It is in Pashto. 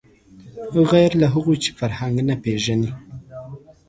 غیر له هغو چې فرهنګ نه پېژني